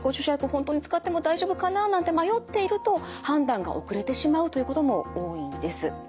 本当に使っても大丈夫かななんて迷っていると判断が遅れてしまうということも多いんです。